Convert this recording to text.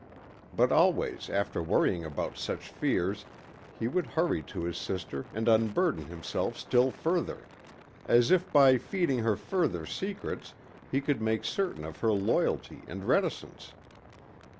But always after worrying about such fears he would hurry to his sister and unburden himself still further. As if by feeding her further secrets he could make certain of her loyalty and reticence.